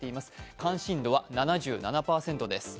関心度は７７％です。